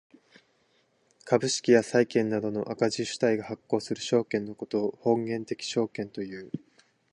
株式や債券などの赤字主体が発行する証券のことを本源的証券という。